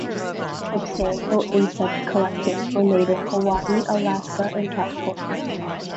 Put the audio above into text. Substantial insect collections were made in Hawaii, Alaska, and California.